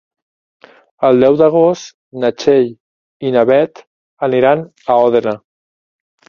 El deu d'agost na Txell i na Beth aniran a Òdena.